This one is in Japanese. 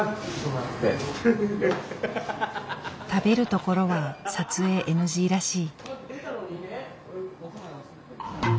食べるところは撮影ＮＧらしい。